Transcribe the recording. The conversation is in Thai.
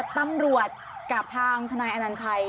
ตำรวจกับทางทนายอนัญชัย